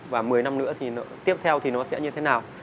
và một mươi năm nữa thì tiếp theo thì nó sẽ như thế nào